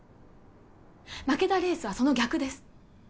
負けたレースはその逆です